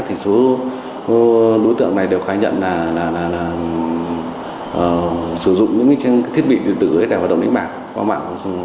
thì số đối tượng này đều khai nhận là sử dụng những thiết bị điện tử để hoạt động đánh bạc qua mạng